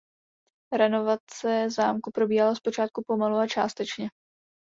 Renovace zámku probíhala zpočátku pomalu a částečně.